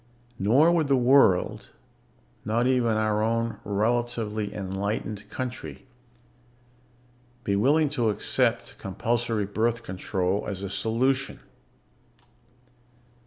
Nor would the world not even our own relatively enlightened country be willing to accept compulsory birth control as a solution.